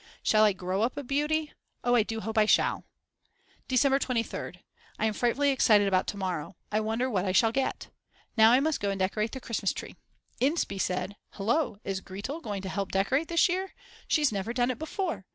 Shall I grow up a beauty? Oh I do hope I shall! December 23rd. I am frightfully excited about to morrow. I wonder what I shall get? Now I must go and decorate the Christmas tree. Inspee said: Hullo, is Gretl going to help decorate this year? She's never done it before!